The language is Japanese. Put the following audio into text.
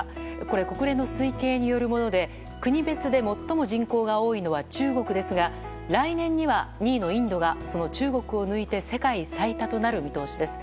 これ、国連の推計によるもので国別で最も人口が多いのは中国ですが来年には２位のインドがその中国を抜いて世界最多となる見通しです。